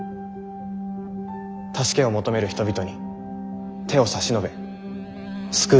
助けを求める人々に手を差し伸べ救う政治。